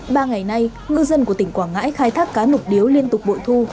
ba ngày nay ngư dân của tỉnh quảng ngãi khai thác cá nục điếu liên tục bội thu